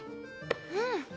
うん。